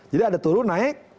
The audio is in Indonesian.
jadi ada turun naik